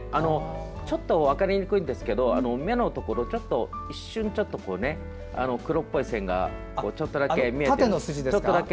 ちょっと分かりにくいですけど目のところ、黒っぽい線がちょっとだけ見えて。